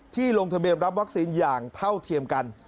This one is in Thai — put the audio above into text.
ลงทะเบียนรับวัคซีนอย่างเท่าเทียมกัน